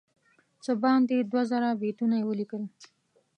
څه باندې دوه زره بیتونه یې ولیکل.